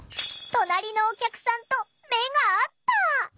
隣のお客さんと目が合った。